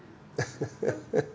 ハハハハ。